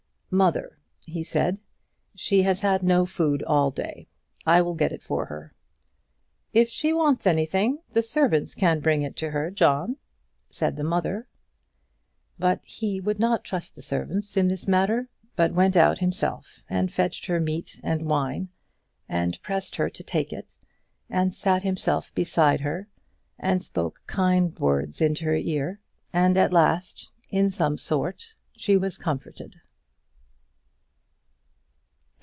"Mother," he said, "she has had no food all day; I will get it for her." "If she wants anything, the servants can bring it to her, John," said the mother. But he would not trust the servants in this matter, but went out himself and fetched her meat and wine, and pressed her to take it, and sat himself beside her, and spoke kind words into her ear, and at last, in some sort, she was comforted.